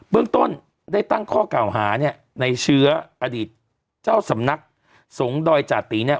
เรื่องต้นได้ตั้งข้อกล่าวหาเนี่ยในเชื้ออดีตเจ้าสำนักสงฆ์ดอยจาติเนี่ย